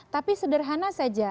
tapi sederhana saja